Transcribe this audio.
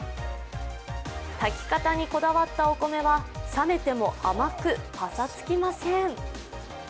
炊き方にこだわったお米は冷めても甘く、ぱさつきません。